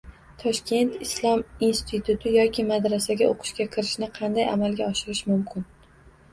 Toshkent islom instituti yoki madrasaga o‘qishga kirishni qanday amalga oshirish mumkin?